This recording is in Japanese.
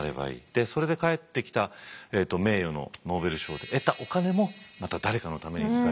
それで返ってきた名誉のノーベル賞で得たお金もまた誰かのために使いたい。